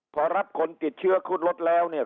พอรับคนติดเชื้อขึ้นรถแล้วเนี่ย